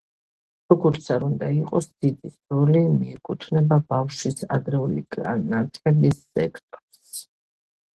როგორც არ უნდა იყოს, ძიძის როლი მიეკუთვნება ბავშვის ადრეული განათლების სექტორს.